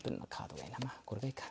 これでいいか。